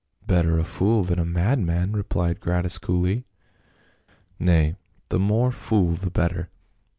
" Better a fool than a madman," replied Gratus coolly. " Nay, the more fool the better.